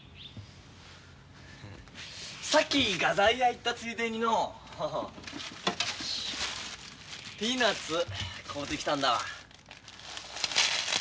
さっき画材屋行ったついでにのうピーナツ買うてきたんだわ。